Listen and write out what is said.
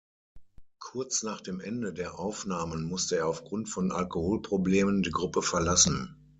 Kurz nach dem Ende der Aufnahmen musste er aufgrund von Alkoholproblemen die Gruppe verlassen.